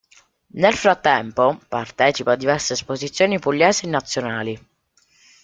Nel frattempo, partecipa a diverse esposizioni pugliesi e nazionali.